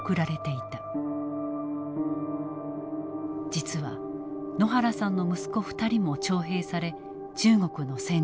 実は野原さんの息子２人も徴兵され中国の戦場へ。